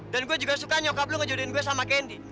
dan gue juga suka nyokap lu ngejodohin gue sama kendy